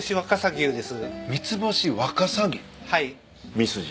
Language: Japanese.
ミスジ。